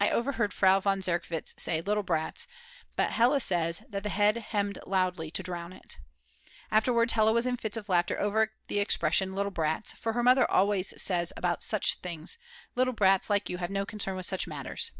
I overheard Frau von Zerkwitz say, "Little brats;" but Hella says that the head hemmed loudly to drown it. Afterwards Hella was in fits of laughter over the expression "little brats" for her mother always says about such things; Little brats like you have no concern with such matters.